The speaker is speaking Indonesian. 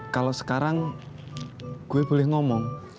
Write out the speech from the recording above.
kalau sekarang gue boleh ngomong